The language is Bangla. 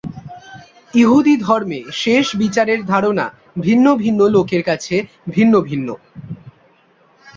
ইহুদি ধর্মে শেষ বিচারের ধারণা ভিন্ন ভিন্ন লোকের কাছে ভিন্ন ভিন্ন।